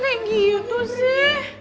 kok emang kayak gitu sih